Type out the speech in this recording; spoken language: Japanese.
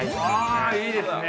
◆あ、いいですね。